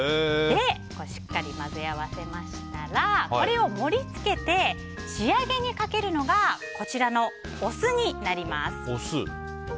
しっかり混ぜ合わせましたら盛り付けてから仕上げにかけるのがこちらのお酢です。